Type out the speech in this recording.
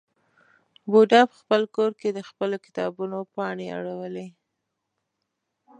بوډا په خپل کور کې د خپلو کتابونو پاڼې اړولې.